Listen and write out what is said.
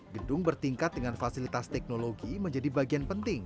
gedung bertingkat dengan fasilitas teknologi menjadi bagian penting